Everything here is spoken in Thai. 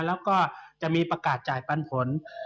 แล้วจะมีประกาศใจปันผล